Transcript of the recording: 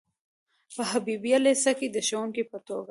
په حبیبیه لیسه کې د ښوونکي په توګه.